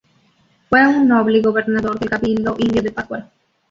Fue un noble y gobernador del cabildo indio de Pátzcuaro.